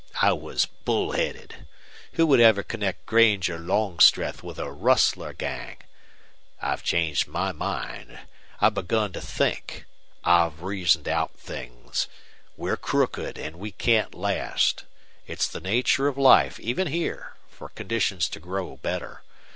I was bullheaded. Who would ever connect Granger Longstreth with a rustler gang? I've changed my mind. I've begun to think. I've reasoned out things. We're crooked, and we can't last. It's the nature of life, even here, for conditions to grow better.